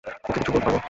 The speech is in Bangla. ওকে কিছু বলতে পারবো?